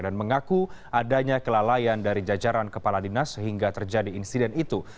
dan mengaku adanya kelalaian dari jajaran kepala dinas sehingga terjadi insiden itu